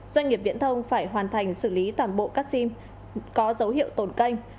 doanh nghiệp viễn thông phải hoàn thành xử lý toàn bộ các sim có dấu hiệu tồn canh